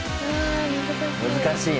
難しい。